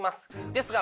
ですが